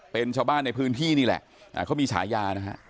เป็นชาวบ้านในพื้นที่นี่แหละเขามีฉายานะฮะ